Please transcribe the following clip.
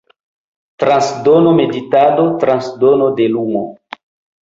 Transdono meditado, transdono de lumo.